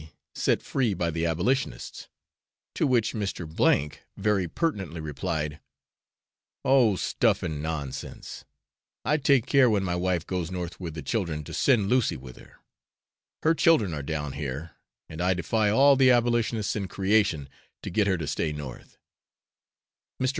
set free by the abolitionists, to which Mr. K very pertinently replied, 'Oh, stuff and nonsense, I take care when my wife goes north with the children, to send Lucy with her; her children are down here, and I defy all the abolitionists in creation to get her to stay north.' Mr.